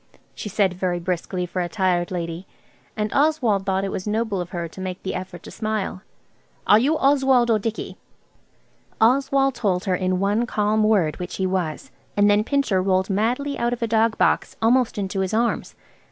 she said very briskly for a tired lady; and Oswald thought it was noble of her to make the effort to smile. "Are you Oswald or Dicky?" Oswald told her in one calm word which he was, and then Pincher rolled madly out of a dog box almost into his arms.